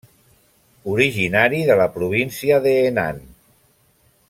Originari de la província de Henan.